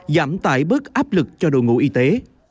giảm tải bớt áp lực cho đội ngũ y tế